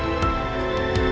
semua tidak bahagia